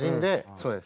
そうです。